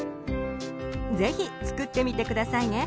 是非作ってみて下さいね。